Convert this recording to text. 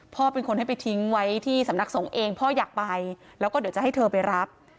พ่อเป็นคนให้ไปทิ้งไว้ที่สำนักสงฆ์เองพ่ออยากไปแล้วก็เดี๋ยวจะให้เธอไปรับ